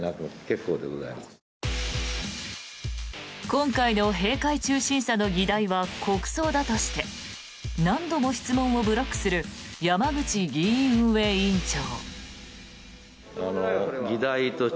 今回の閉会中審査の議題は国葬だとして何度も質問をブロックする山口議院運営委員長。